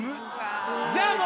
じゃあもう。